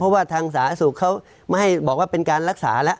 เพราะว่าทางสาธารณสุขเขาไม่ให้บอกว่าเป็นการรักษาแล้ว